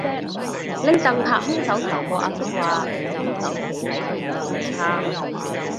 拎櫈拍兇手頭個阿叔話兇手企喺度原地喊